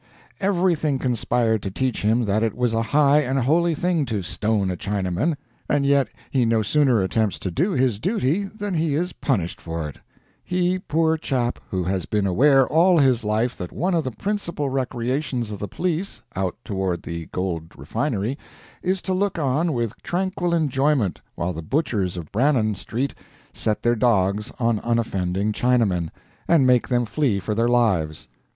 Everything conspired to teach him that it was a high and holy thing to stone a Chinaman, and yet he no sooner attempts to do his duty than he is punished for it he, poor chap, who has been aware all his life that one of the principal recreations of the police, out toward the Gold Refinery, is to look on with tranquil enjoyment while the butchers of Brannan Street set their dogs on unoffending Chinamen, and make them flee for their lives.